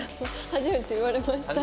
初めて言われました？